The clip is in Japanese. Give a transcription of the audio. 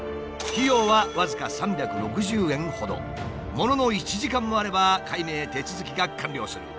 ものの１時間もあれば改名手続きが完了する。